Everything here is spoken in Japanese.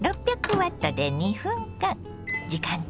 ６００Ｗで２分間。